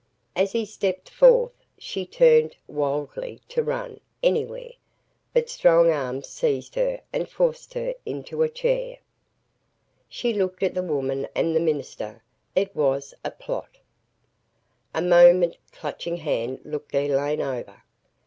As he stepped forth, she turned, wildly, to run anywhere. But strong arms seized her and forced her into a chair. She looked at the woman and the minister. It was a plot! A moment Clutching Hand looked Elaine over.